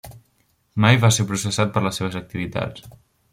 Mai va ser processat per les seves activitats.